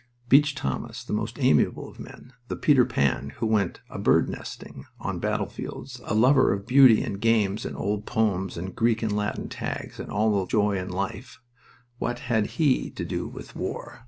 Beach Thomas, the most amiable of men, the Peter Pan who went a bird nesting on battlefields, a lover of beauty and games and old poems and Greek and Latin tags, and all joy in life what had he to do with war?